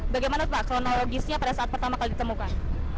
bagaimana pak kronologisnya pada saat pertama kali ditemukan